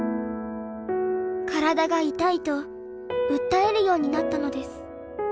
「体が痛い」と訴えるようになったのです。